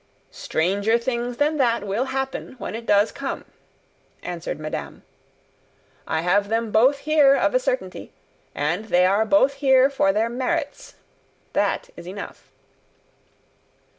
"Stranger things than that will happen when it does come," answered madame. "I have them both here, of a certainty; and they are both here for their merits; that is enough."